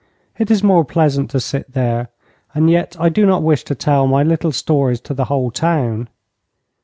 It is more pleasant to sit there, and yet I do not wish to tell my little stories to the whole town.